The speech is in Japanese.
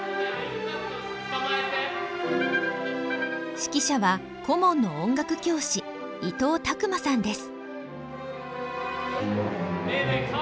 指揮者は顧問の音楽教師伊藤巧真さんです。